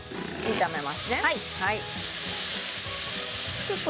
炒めます。